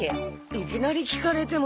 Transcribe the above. いきなり聞かれても。